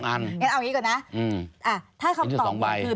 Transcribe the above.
วะเอางี้ก่อนนะ